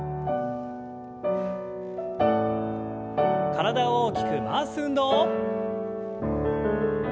体を大きく回す運動。